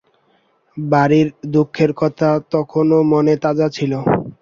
বাড়ির দুঃখের কথা তখনো মনে তাজা ছিল।